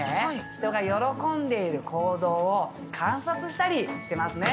人が喜んでいる行動を観察したりしてますね。